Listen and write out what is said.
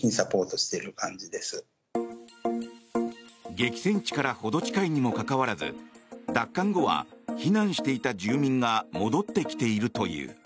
激戦地から程近いにもかかわらず奪還後は、避難していた住民が戻ってきているという。